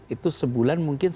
itu sebulan mungkin